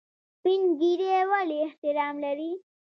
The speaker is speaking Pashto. سپین ږیری ولې احترام لري؟